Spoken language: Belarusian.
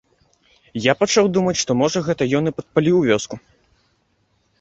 Я пачаў думаць, што, можа, гэта ён і падпаліў вёску.